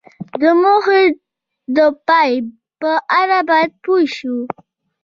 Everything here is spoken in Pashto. د موخې د پای په اړه باید پوه شو.